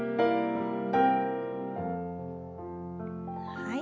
はい。